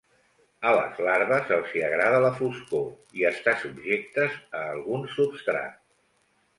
A les larves els hi agrada la foscor i estar subjectes a algun substrat.